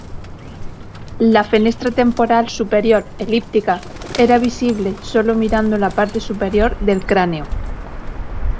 La fenestra temporal superior elíptica era visible solo mirando la parte superior del cráneo.